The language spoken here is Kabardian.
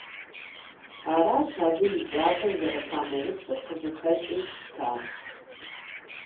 Аращ абы и кӀапэр зэрыпамыупщӀыр къызыхэкӀыу щытар.